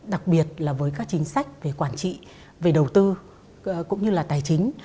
đặc biệt là với các chính sách về quản trị về đầu tư cũng như là tài chính